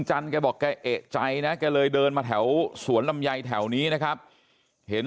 แกบอกแกเอกใจนะแกเลยเดินมาแถวสวนลำไยแถวนี้นะครับเห็น